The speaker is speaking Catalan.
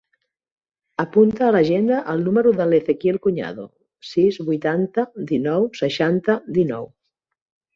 Apunta a l'agenda el número de l'Ezequiel Cuñado: sis, vuitanta, dinou, seixanta, dinou.